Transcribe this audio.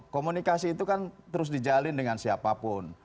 komunikasi itu kan terus dijalin dengan siapapun